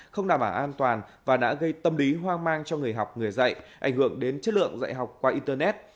không đảm bảo an toàn và đã gây tâm lý hoang mang cho người học người dạy ảnh hưởng đến chất lượng dạy học qua internet